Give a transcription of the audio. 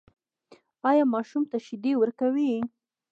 ایا ماشوم ته شیدې ورکوئ؟